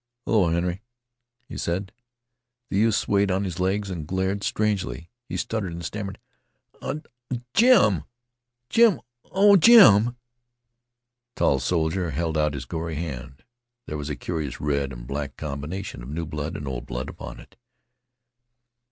"Hello, Henry," he said. The youth swayed on his legs and glared strangely. He stuttered and stammered. "Oh, Jim oh, Jim oh, Jim " The tall soldier held out his gory hand. There was a curious red and black combination of new blood and old blood upon it.